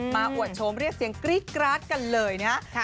อวดโฉมเรียกเสียงกรี๊ดกราดกันเลยนะครับ